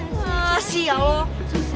bukan yang udah ya